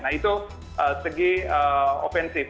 nah itu segi offensif